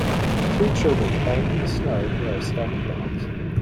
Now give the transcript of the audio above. Two children playing in the snow near a stack of logs.